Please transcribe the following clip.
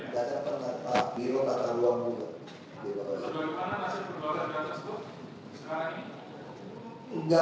gak di pembangunan juga